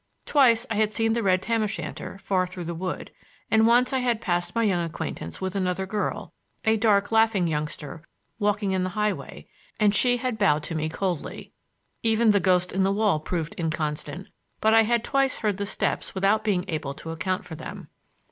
Twice I had seen the red tam o' shanter far through the wood, and once I had passed my young acquaintance with another girl, a dark, laughing youngster, walking in the highway, and she had bowed to me coldly. Even the ghost in the wall proved inconstant, but I had twice heard the steps without being able to account for them.